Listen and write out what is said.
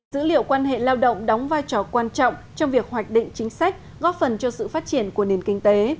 dữ liệu quan hệ lao động đóng vai trò quan trọng trong việc hoạch định chính sách góp phần cho sự phát triển của nền kinh tế